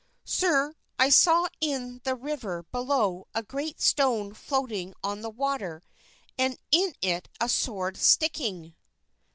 "Sir, I saw in the river below a great stone floating on the water, and in it a sword sticking."